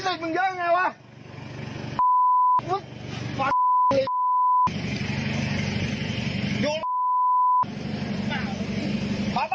นายใดใายครับ